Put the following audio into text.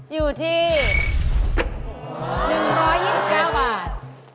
อยู่ที่๑๒๙บาท